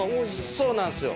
そうなんですよ。